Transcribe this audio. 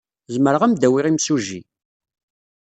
Zemreɣ ad am-d-awiɣ imsujji.